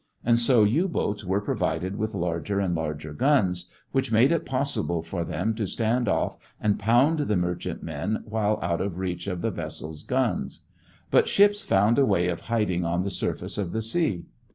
And so U boats were provided with larger and larger guns, which made it possible for them to stand off and pound the merchantmen while out of reach of the vessel's guns. But ships found a way of hiding on the surface of the sea.